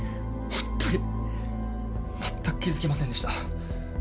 本当に全く気付きませんでした。